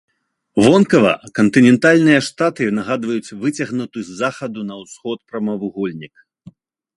Вонкава кантынентальныя штаты нагадваюць выцягнуты з захаду на ўсход прамавугольнік.